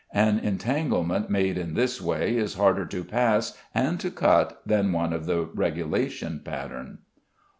An entanglement made in this way is harder to pass and to cut than one of the regulation pattern.